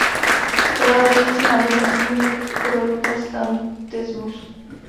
Převládajícím náboženstvím je protestantismus.